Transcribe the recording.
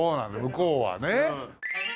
向こうはね。